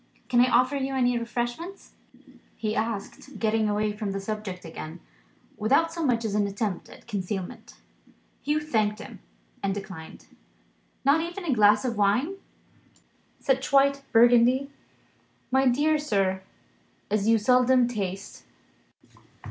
Can I offer you any refreshment?" he asked, getting away from the subject again, without so much as an attempt at concealment. Hugh thanked him, and declined. "Not even a glass of wine? Such white Burgundy, my dear sir, as you seldom taste."